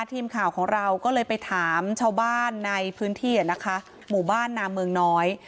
ทีมข่าวของเราก็เลยไปถามชาวบ้านในพื้นที่นะคะหมู่บ้านนามเมืองน้อย